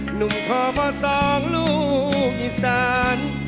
หนุ่มท่อพ่อสองลูกอีสาน